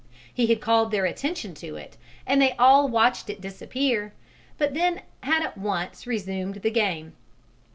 He had called their attention to it, and they all watched it disappear, but had then at once resumed the game.